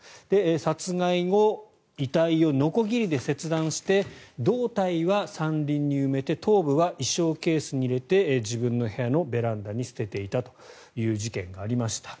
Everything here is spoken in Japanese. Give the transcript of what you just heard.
殺害後遺体をのこぎりで切断して胴体は山林に埋めて頭部は衣装ケースに入れて自分の部屋のベランダに捨てていたという事件がありました。